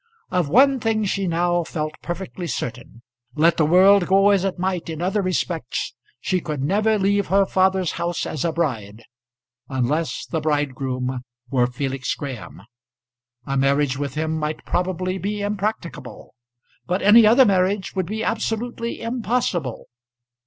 Of one thing she now felt perfectly certain. Let the world go as it might in other respects, she could never leave her father's house as a bride unless the bridegroom were Felix Graham. A marriage with him might probably be impracticable, but any other marriage would be absolutely impossible.